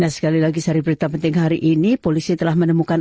nah sekali jailahisari perelleran beting hari ini polisi telah menemukan